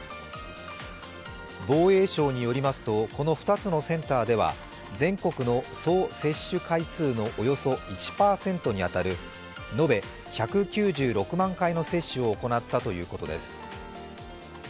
防衛省によりますとこの２つのセンターでは全国の総接種回数のおよそ１％に当たる延べ１９６万回の接種を行ったということです。